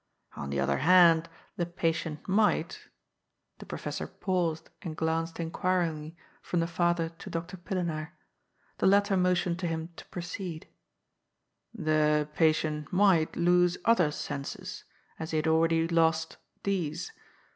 On the other hand, the patient might "— the professor paused and glanced inquiringly from the father to Dr. Pillenaar. The latter motioned to him to proceed —'* The patient might lose other senses, as he had already lost these.